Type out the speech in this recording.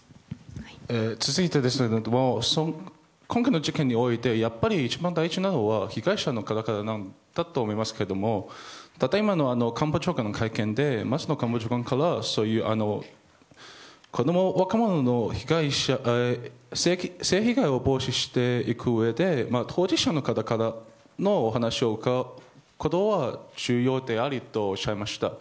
続いて、今回の事件において一番大事なのは被害者の方々だと思いますけどもたった今の官房長官の会見で松野官房長官から若者の性被害を防止していくうえで当事者の方からのお話を伺うことは重要であるとおっしゃいました。